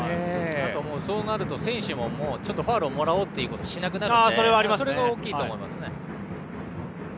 そうなると選手もファウルをもらおうということをしなくなるのでそれが大きいと思います。